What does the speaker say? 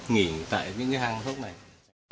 nghỉ tại cái hang hốc này